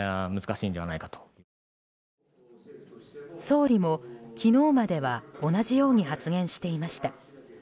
総理も、昨日までは同じように発言していました。